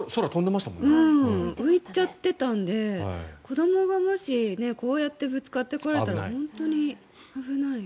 浮いちゃってたんで子どもが、もしこうやってぶつかってこられたら本当に危ない。